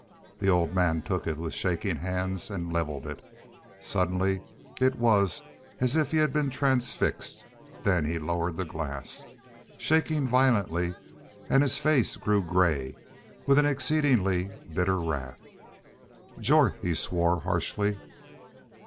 The old man took it with shaking hands and leveled it. Suddenly it was as if he had been transfixed; then he lowered the glass, shaking violently, and his face grew gray with an exceeding bitter wrath. "Jorth!" he swore, harshly.